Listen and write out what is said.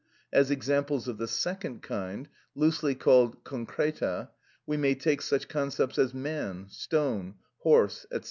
As examples of the second kind, loosely called concreta, we may take such concepts as "man," "stone," "horse," &c.